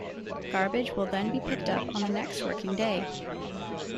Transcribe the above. Garbage will then be picked up on the next working day.